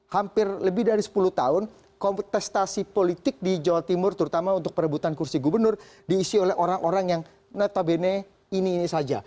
hampir lebih dari sepuluh tahun kontestasi politik di jawa timur terutama untuk perebutan kursi gubernur diisi oleh orang orang yang notabene ini ini saja